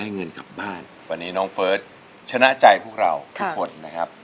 น้องเฟิร์ดชนะใจพวกเราทุกคนนะครับ